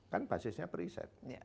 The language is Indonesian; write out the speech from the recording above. kan basisnya periset